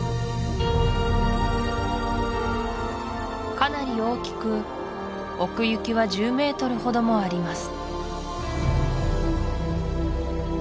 かなり大きく奥行きは１０メートルほどもあります